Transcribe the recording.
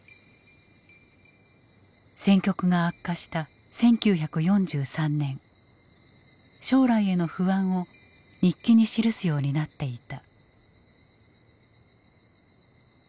戦局が悪化した１９４３年将来への不安を日記に記すようになっていた。